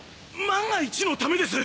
万が一のためです！